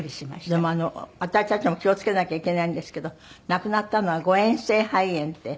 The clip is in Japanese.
でも私たちも気を付けなきゃいけないんですけど亡くなったのは誤嚥性肺炎って。